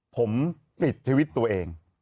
ผมปิดชีวิตตัวเอง